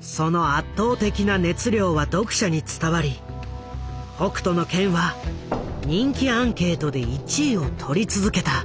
その圧倒的な熱量は読者に伝わり「北斗の拳」は人気アンケートで１位をとり続けた。